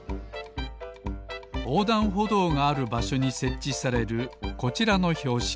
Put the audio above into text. おうだんほどうがあるばしょにせっちされるこちらのひょうしき。